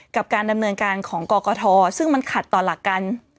กับการดำเนินการของกกทซึ่งมันขัดต่อหลักการ